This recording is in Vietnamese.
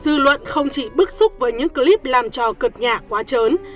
dư luận không chỉ bức xúc với những clip làm trò cực nhả quá chớn